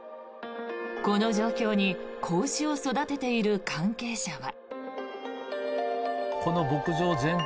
この状況に子牛を育てている関係者は。